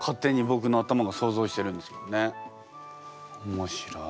面白い。